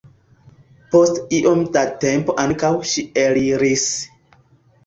Post iom da tempo ankaŭ ŝi eliris.